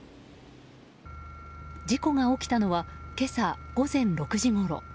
事故が起きたのは今朝、午前６時ごろ。